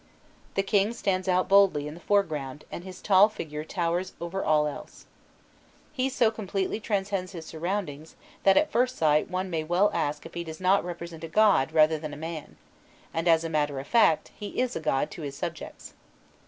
The king stands out boldly in the foreground, and his tall figure towers over all else. He so completely transcends his surroundings, that at first sight one may well ask if he does not represent a god rather than a man; and, as a matter of fact, he is a god to his subjects.